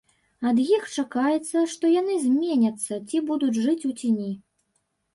Ад іх чакаецца, што яны зменяцца ці будуць жыць у цені.